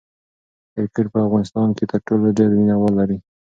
کرکټ په افغانستان کې تر ټولو ډېر مینه وال لري.